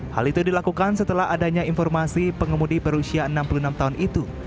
hal itu dilakukan setelah adanya informasi pengemudi berusia enam puluh enam tahun itu